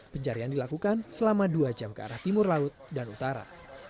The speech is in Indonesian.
pencarian dilakukan selama dua jam ke arah timur laut dan utara